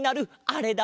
あれ？